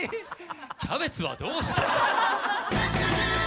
キャベツはどうした？